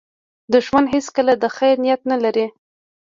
دښمن هیڅکله د خیر نیت نه لري